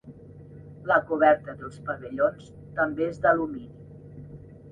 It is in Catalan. La coberta dels pavellons també és d'alumini.